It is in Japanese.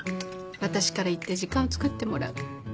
私から言って時間をつくってもらう。